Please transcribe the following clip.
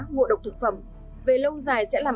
ngộ độc thực phẩm về lâu dài sẽ làm